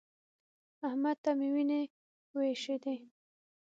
احمد ته مې وينې وايشېدې.